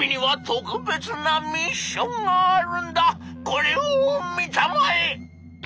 これを見たまえ！」。